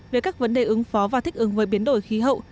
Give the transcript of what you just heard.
về các vấn đề ứng phó và thích ứng với biến đổi khí hậu